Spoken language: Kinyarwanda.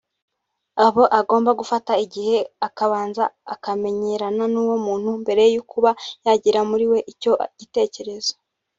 Aba agomba gufata igihe akabanza akamenyerana n’uwo muntu mbere yo kuba yagira muri we icyo gitekerezo